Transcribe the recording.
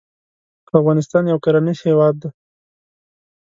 افغانستان یو کرنیز هیواد دی